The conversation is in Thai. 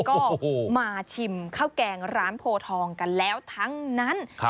ก็มาชิมข้าวแกงร้านโพทองกันแล้วทั้งนั้น